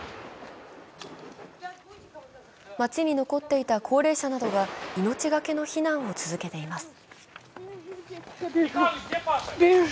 街に残っていた高齢者などが命懸けの避難を続けています。